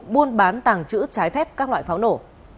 buôn bán tàng trữ trái phép các loại pháo nổ